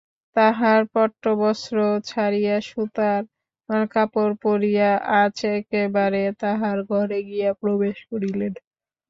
তাঁহার পট্টবস্ত্র ছাড়িয়া সুতার কাপড় পরিয়া আজ একেবারে তাহার ঘরে গিয়া প্রবেশ করিলেন।